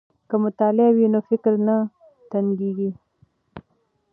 که مطالعه وي نو فکر نه تنګیږي.